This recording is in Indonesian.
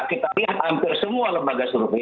kita lihat hampir semua lembaga survei